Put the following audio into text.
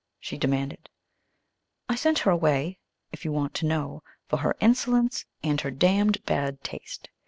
she demanded. "I sent her away, if you want to know, for her insolence and her damned bad taste.